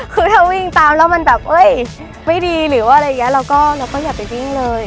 คือถ้าวิ่งตามแล้วมันแบบเอ้ยไม่ดีหรือว่าอะไรอย่างนี้เราก็อย่าไปวิ่งเลย